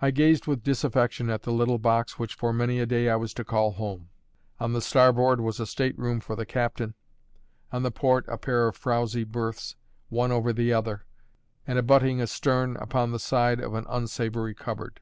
I gazed with disaffection at the little box which for many a day I was to call home. On the starboard was a stateroom for the captain; on the port, a pair of frowsy berths, one over the other, and abutting astern upon the side of an unsavoury cupboard.